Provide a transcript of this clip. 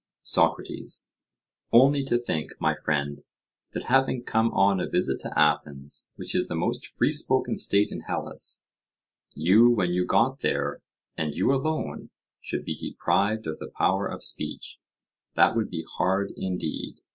SOCRATES: Only to think, my friend, that having come on a visit to Athens, which is the most free spoken state in Hellas, you when you got there, and you alone, should be deprived of the power of speech—that would be hard indeed.